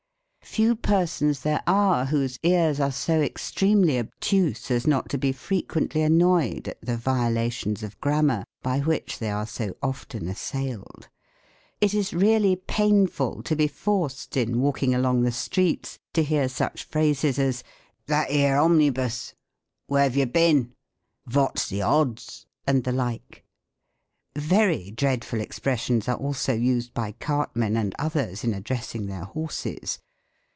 Few persons there are, whose ears are so extremely obtuse, as not to be frequently annoyed at the violations of Grammar by which they are so often assailed. It is really painful to be forced, in walking along the streets, to hear such phrases as, "That 'ere omnibus." "Where've you bin?" " Vot''s the odds ?" and the like. Very dreadful expressions are also used by cartmen and others in addressing their horses.